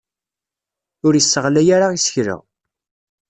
Ur isseɣlay ara isekla.